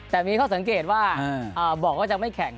แต่มีข้อสังเกตว่าบอกว่าจะไม่แข่ง